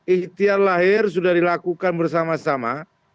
ikhtiar lahir sudah dilakukan bersama sama